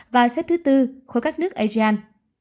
và xếp thứ bốn khỏi các nước asean